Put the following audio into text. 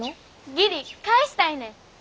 義理返したいねん。